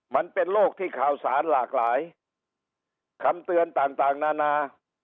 มันเป็นโลกที่ข่าวสารหลากหลายคำเตือนต่างนานา